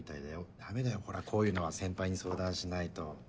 ダメだよこういうのは先輩に相談しないと。